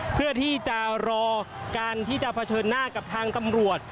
เพื่อที่จะรอการที่จะเผชิญหน้ากับทางตำรวจ